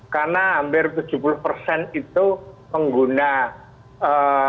karena hampir tujuh puluh dari penurunan pertamaks